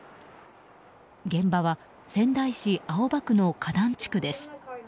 現場は、仙台市青葉区の花壇地区です。